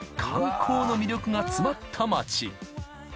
観光の魅力が詰まった町。